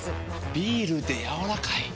ビールでやわらかい。